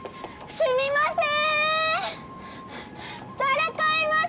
すみません！